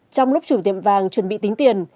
trong lúc chủ tiệm vàng chuẩn bị tính tiền